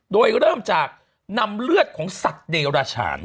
โดยเริ่มจากนำเลือดของสัตว์เดราชาน